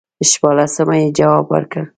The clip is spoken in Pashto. شپاړسمه یې جواب ورکړ.